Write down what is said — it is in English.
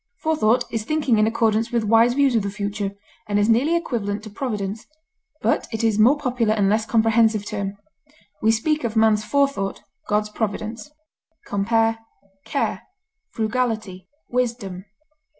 Forethought is thinking in accordance with wise views of the future, and is nearly equivalent to providence, but it is a more popular and less comprehensive term; we speak of man's forethought, God's providence. Compare CARE; FRUGALITY; WISDOM.